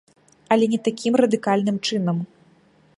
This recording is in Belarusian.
Але не такім радыкальным чынам.